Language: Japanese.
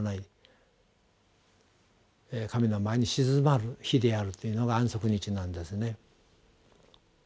神の前に静まる日であるというのが安息日なんですね。